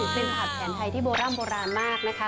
เป็นผัดแผนไทยที่โบร่ำโบราณมากนะคะ